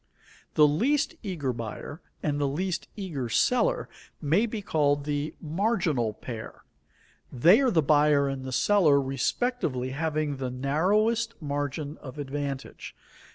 The least eager buyer and the least eager seller may be called the marginal pair. They are the buyer and the seller respectively having the narrowest margin of advantage.